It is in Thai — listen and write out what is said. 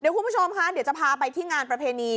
คุณผู้ชมคะเดี๋ยวจะพาไปที่งานประเพณี